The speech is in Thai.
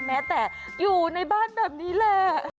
แม้แต่อยู่ในบ้านแบบนี้แหละ